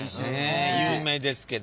有名ですけど。